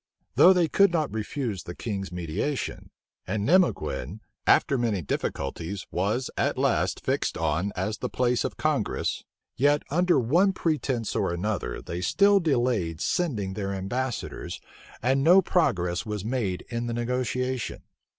Though they could not refuse the king's mediation, and Nimeguen, after many difficulties, was at last fixed on as the place of congress, yet, under one pretence or other, they still delayed sending their ambassadors, and no progress was made in the negotiation.